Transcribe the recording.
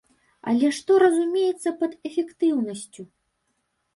Але што разумеецца пад эфектыўнасцю?